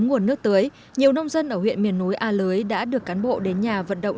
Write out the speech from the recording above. nguồn nước tưới nhiều nông dân ở huyện miền núi a lưới đã được cán bộ đến nhà vận động